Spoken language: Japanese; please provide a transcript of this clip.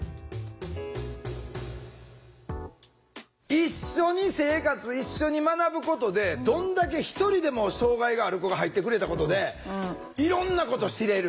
一緒に生活一緒に学ぶことでどんだけ一人でも障害がある子が入ってくれたことでいろんなこと知れる。